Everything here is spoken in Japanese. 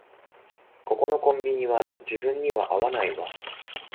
ここのコンビニは自分には合わないわ